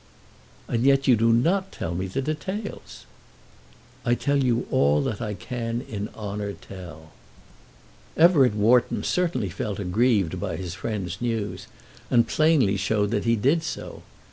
"And yet you do not tell me the details." "I tell you all that I can in honour tell." Everett Wharton certainly felt aggrieved by his friend's news, and plainly showed that he did so.